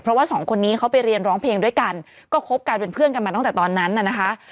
เพราะว่าสองคนนี้เขาไปเรียนร้องเพลงด้วยกันก็คบกันเป็นเพื่อนกันมาตั้งแต่ตอนนั้นน่ะนะคะ